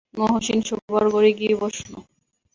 মহসিন শোবার ঘরে গিয়ে বসল।